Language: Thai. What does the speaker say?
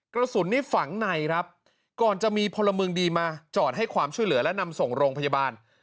กระสุนที่ฝังในครับ